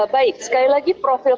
baik sekali lagi profil